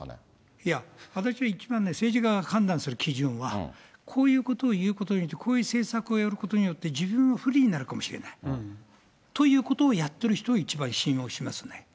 いや、私は一番ね、政治家が判断する基準は、こういうことを言うことによって、こういう政策をやることによって、自分は不利になるかもしれない、ということをやってる人を一番信用しますね。